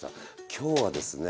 今日はですね